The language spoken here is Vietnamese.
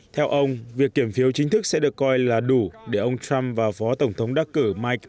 theo ông việc kiểm phiếu chính thức sẽ được coi là đủ để ông trump và phó tổng thống đắc cử michael